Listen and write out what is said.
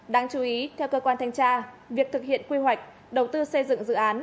đáng chú ý theo cơ quan thanh tra việc thực hiện quy hoạch đầu tư xây dựng dự án